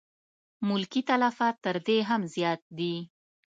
ملکي تلفات تر دې هم زیات دي.